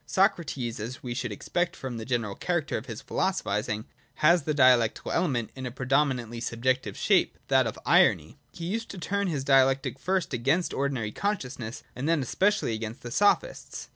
Socrates, as we should expect from the general character of his philosophising, has the dialectical element in a pre dominantly subjective shape, that of Irony. He used to turn his Dialectic, first against ordinary consciousness, and then especially against the Sophists.